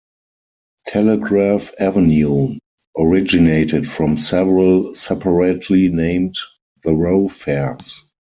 Telegraph Avenue originated from several separately named thoroughfares.